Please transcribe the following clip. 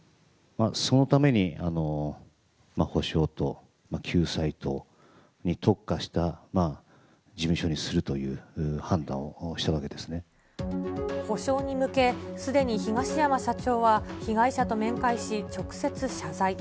そのために補償と救済とに特化した事務所にするという判断をした補償に向け、すでに東山社長は、被害者と面会し、直接謝罪。